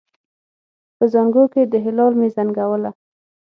په زانګو کې د هلال مې زنګوله